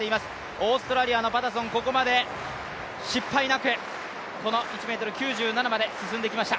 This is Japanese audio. オーストラリアのパタソンここまで失敗なく、この１ｍ９７まで進んできました。